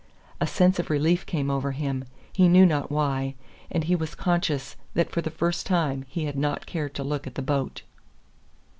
A sense of relief came over him, he knew not why, and he was conscious that for the first time he had not cared to look at the boat.